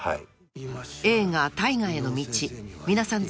［映画『大河への道』皆さん